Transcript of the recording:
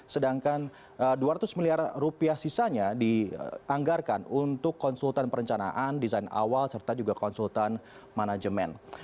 sedangkan dua ratus miliar rupiah sisanya dianggarkan untuk konsultan perencanaan desain awal serta juga konsultan manajemen